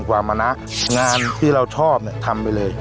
ความมะนะงานที่เราชอบทำไปเลย